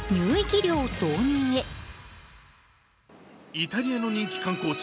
イタリアの人気観光地